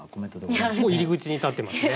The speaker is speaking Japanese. もう入り口に立ってますね。